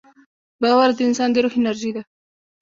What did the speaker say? باور د انسان د روح انرژي ده.